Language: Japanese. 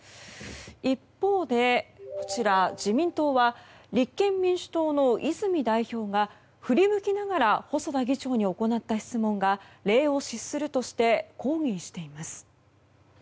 一方で、自民党は立憲民主党の泉代表が振り向きながら細田議長に行った質問が礼を失するとして抗議しています。